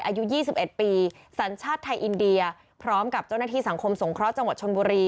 อายุ๒๑ปีสัญชาติไทยอินเดียพร้อมกับเจ้าหน้าที่สังคมสงเคราะห์จังหวัดชนบุรี